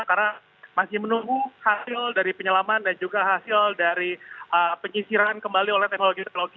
karena masih menunggu hasil dari penyelaman dan juga hasil dari penyisiran kembali oleh teknologi teknologi